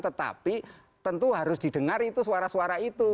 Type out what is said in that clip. tetapi tentu harus didengar itu suara suara itu